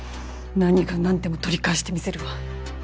何が何でも取り返してみせるわ。